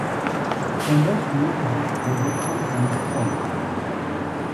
The most notable was the compound crank.